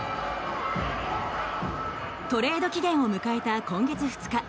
トレード期限を迎えた今月２日。